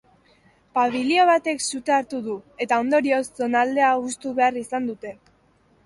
Pabilio batek sute hartu du eta ondorioz, zonaldea hustu behar izan dute.